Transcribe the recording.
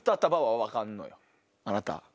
あなた。